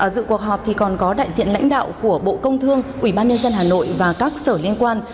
dự cuộc họp thì còn có đại diện lãnh đạo của bộ công thương ủy ban nhân dân hà nội và các sở liên quan